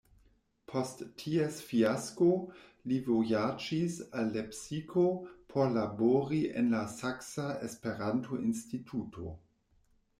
Post ties fiasko li vojaĝis al Lepsiko por labori en la Saksa Esperanto-Instituto.